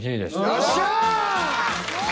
よっしゃ！